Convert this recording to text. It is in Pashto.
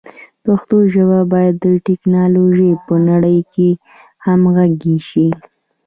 پښتو ژبه باید د ټکنالوژۍ په نړۍ کې همغږي شي.